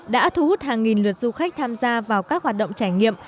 đã thu hút hàng nghìn lượt du khách tham gia vào các hoạt động trải nghiệm